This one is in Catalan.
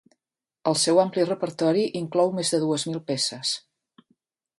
El seu ampli repertori inclou més de dues mil peces.